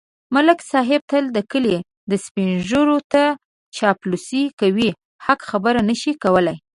ملک صاحب تل د کلي سپېنږیروته چاپلوسي کوي. حق خبره نشي کولای.